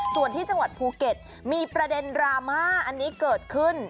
ส่วนที่จังหวัดภูเก็ตมีประเด็นดราม่าอันนี้เกิดขึ้น